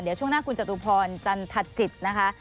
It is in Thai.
เดี๋ยวช่วงหน้าคุณจตุพรจันทจิตนะคะ